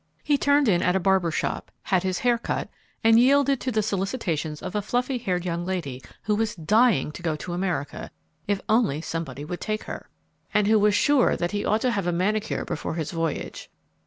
He turned in at a barber's shop, had his hair cut, and yielded to the solicitations of a fluffy haired young lady who was dying to go to America if only somebody would take her, and who was sure that he ought to have a manicure before his voyage.